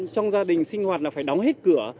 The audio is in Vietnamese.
trong gia đình sinh hoạt phải đóng hết cửa